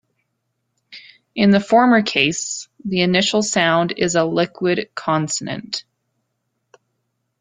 In the former case, the initial sound is a liquid consonant.